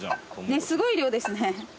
ねっすごい量ですね。